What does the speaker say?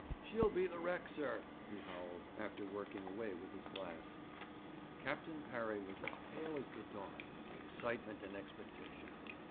'She'll be the wreck, sir,' he howled, after working away with his glass. Captain Parry was as pale as the dawn with excitement and expectation.